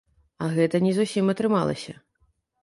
А гэта не зусім атрымалася.